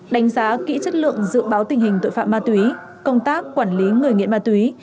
đánh giá kỹ chất lượng dự báo tình hình tội phạm ma túy công tác quản lý người nghiện ma túy